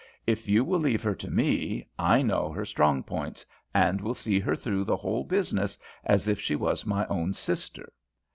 If you will leave her to me, I know her strong points, and will see her through the whole business as if she was my own sister.'"